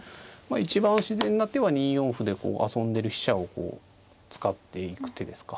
一番自然な手は２四歩でこう遊んでる飛車を使っていく手ですか。